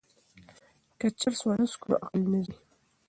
که چرس ونه څښو نو عقل نه ځي.